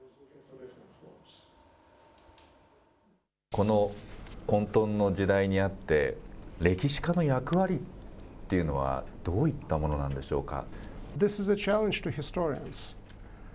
この混とんの時代にあって、歴史家の役割っていうのは、どういったものなんでしょうか。